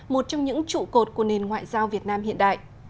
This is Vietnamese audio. một trong những trụ cột của nền ngoại giao việt nam hiện đại